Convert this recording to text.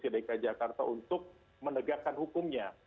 ke dki jakarta untuk menegakkan hukumnya